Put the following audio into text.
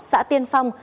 xã tiên phong